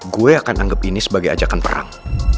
gue akan anggap ini sebagai ajakan perang